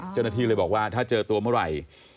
เจ้าหน้าที่เลยบอกว่าถ้าเจอตัวเมื่อไหร่